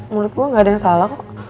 menurut gue gak ada yang salah kok